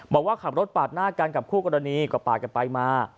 บอกว่าขับรถปาดหน้ากันกับคู่กรณีก็ปาดกันไปมา